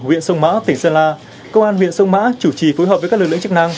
huyện sông mã tỉnh sơn la công an huyện sông mã chủ trì phối hợp với các lực lượng chức năng